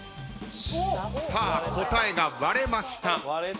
さあ答えが割れました。